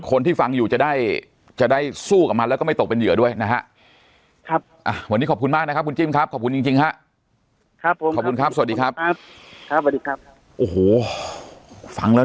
คนที่ฟังอยู่จะได้จะได้สู้กับมันแล้วก็ไม่ตกเป็นเหยื่อด้วยนะฮะ